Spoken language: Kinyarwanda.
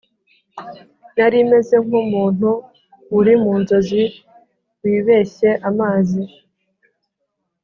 Nari meze nk'umuntu uri mu nzozi wibeshye amazi